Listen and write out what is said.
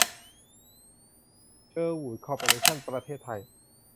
เชอร์วู้ด คอร์ปอเรชั่น ประเทศไทย